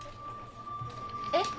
えっ？